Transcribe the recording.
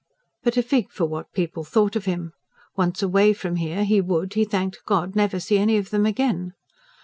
But a fig for what people thought of him! Once away from here he would, he thanked God, never see any of them again.